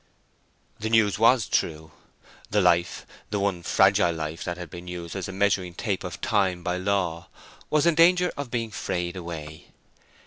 The news was true. The life—the one fragile life—that had been used as a measuring tape of time by law, was in danger of being frayed away.